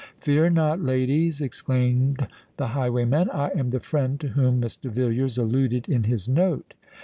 "Fear not, ladies," exclaimed the highwayman. "I am the friend to whom Mr. Villiers alluded in his note."